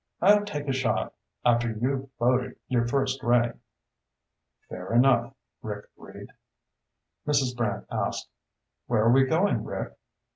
"I'll take a shot after you've boated your first ray." "Fair enough," Rick agreed. Mrs. Brant asked, "Where are we going, Rick?"